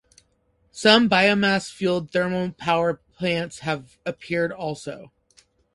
Some biomass-fueled thermal power plants have appeared also.